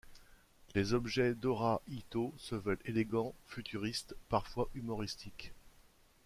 Les objets d'Ora-ïto se veulent élégants, futuristes, parfois humoristiques.